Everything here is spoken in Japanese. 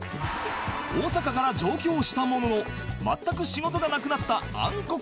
大阪から上京したものの全く仕事がなくなった暗黒時代